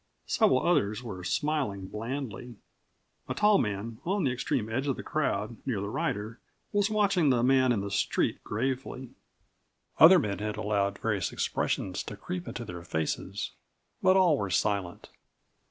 Several others were smiling blandly. A tall man on the extreme edge of the crowd, near the rider, was watching the man in the street gravely. Other men had allowed various expressions to creep into their faces. But all were silent.